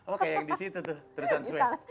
oke yang disitu tuh terusan sues